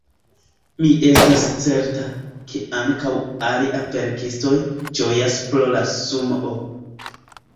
Mi estas certa, ke ankaŭ aliaj verkistoj ĝojas pro la Sumoo.